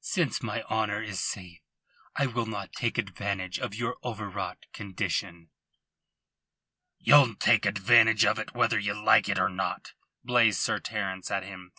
Since my honour is safe I will not take advantage of your overwrought condition." "Ye'll take advantage of it whether ye like it or not," blazed Sir Terence at him.